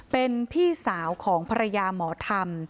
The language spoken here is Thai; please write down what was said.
เป็นพี่สาวของภรรยาหมอธรรม